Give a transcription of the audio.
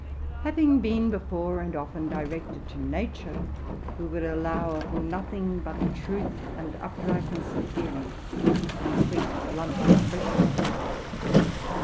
Having been before 80 TRUTH AND FICTION and often directed to nature, we would allow of nothing but truth and uprightness of feeling, and the quick, blunt expres sion of it.